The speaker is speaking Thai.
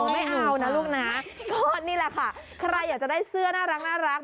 ไม่เอานะลูกนะก็นี่แหละค่ะใครอยากจะได้เสื้อน่ารัก